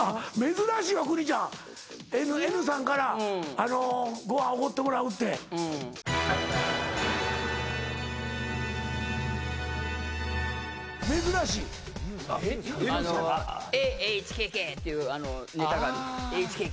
珍しいわ邦ちゃんＮさんからご飯おごってもらうってうん珍しいＮさん？っていうネタがある